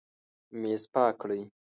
میز پاک کړئ